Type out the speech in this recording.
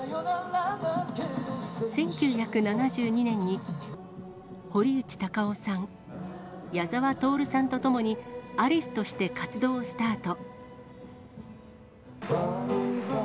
１９７２年に堀内孝雄さん、矢沢透さんと共に、アリスとして活動をスタート。